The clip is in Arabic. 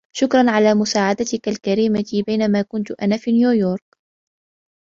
شكراً على مساعدتكَ الكريمة بينما كنت أنا في نيويورك.